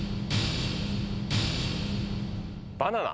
バナナ。